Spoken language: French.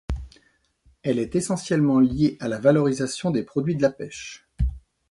Elle est essentiellement liée à la valorisation des produits de la pêche.